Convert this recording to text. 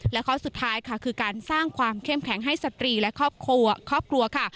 และข้อสุดท้ายค่ะคือการสร้างความเข้มแข็งให้สตรีและครอบครัวครอบครัวค่ะ